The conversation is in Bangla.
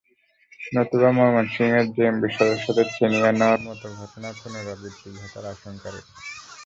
নতুবা ময়মনসিংহের জেএমবি সদস্যদের ছিনিয়ে নেওয়ার মতো ঘটনার পুনরাবৃত্তি ঘটার আশঙ্কা রয়েছে।